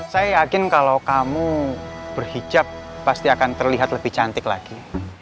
saya yakin kalau kamu berhijab pasti akan terlihat lebih cantik lagi